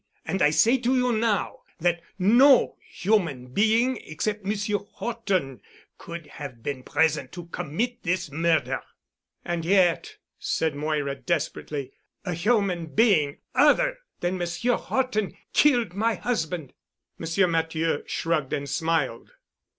And I say to you now that no human being except Monsieur Horton could have been present to commit this murder." "And yet," said Moira desperately, "a human being other than Monsieur Horton killed my husband." Monsieur Matthieu shrugged and smiled.